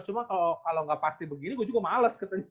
cuma kalo gak pasti begini gue juga males